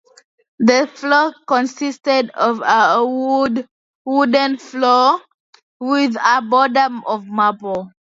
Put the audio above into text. The floor consisted of a wooden floor with a border of marble.